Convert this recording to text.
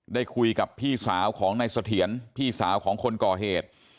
ได้คุยกับพี่สาวของนายเสถียรพี่สาวของคนก่อเหตุ